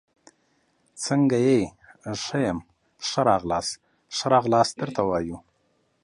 څنګه يي ، ښه يم، ښه راغلاست ، ښه راغلاست درته وایو